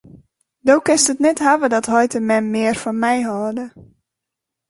Do kinst it net hawwe dat heit en mem mear fan my hâlde.